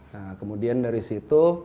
nah kemudian dari situ